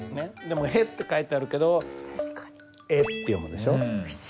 でも「へ」って書いてあるけど「え」って読むでしょ。